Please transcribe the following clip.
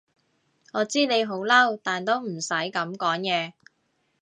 我知你好嬲，但都唔使噉講嘢